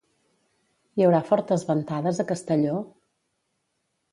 Hi haurà fortes ventades a Castelló?